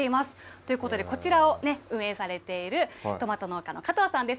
ということで、こちらを運営されている、トマト農家の加藤さんです。